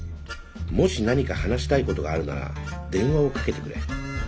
もし何か話したいことがあるなら電話をかけてくれ」。